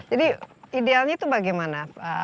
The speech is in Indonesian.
jadi idealnya itu bagaimana